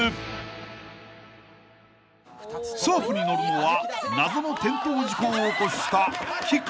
［ソープに乗るのは謎の転倒事故を起こした菊田］